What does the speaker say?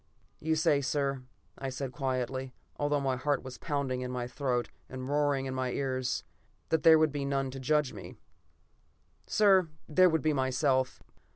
"You say, sir," I said quietly, although my heart was pounding in my throat, and roaring in my ears, "that there would be none to judge me. "Sir, there would be myself.